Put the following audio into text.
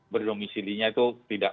berdomisilinya itu tidak